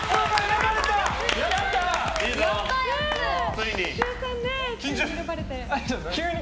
ついに。